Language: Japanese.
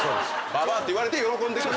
ババアって言われて喜んでくれる。